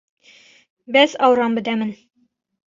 Bes awiran bide min.